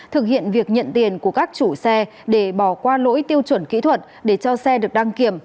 thực hiện việc nhận tiền của các chủ xe để bỏ qua lỗi tiêu chuẩn kỹ thuật để cho xe được đăng kiểm